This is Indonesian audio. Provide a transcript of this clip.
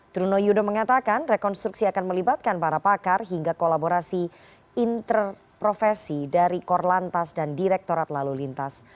truno yudo mengatakan rekonstruksi akan melibatkan para pakar hingga kolaborasi interprofesi dari korlantas dan direktorat lalu lintas